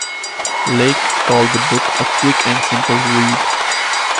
Lake called the book "a quick and simple read".